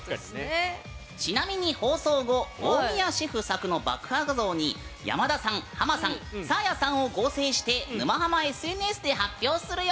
ちなみに放送後大宮シェフ作の爆破画像に山田さんハマさんサーヤさんを合成して「沼ハマ」ＳＮＳで発表するよ！